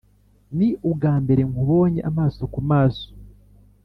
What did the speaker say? ni ubwa mbere nkubonye amaso ku maso